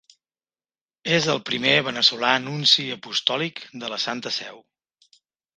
És el primer veneçolà nunci apostòlic de la Santa Seu.